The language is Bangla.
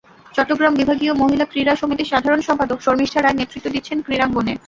চট্টগ্রাম বিভাগীয় মহিলা ক্রীড়া সমিতির সাধারণ সম্পাদক শর্মিষ্ঠা রায় নেতৃত্ব দিচ্ছেন ক্রীড়াঙ্গনে।